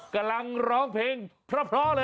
กำลังร้องเพลงเพราะเลยอ่ะ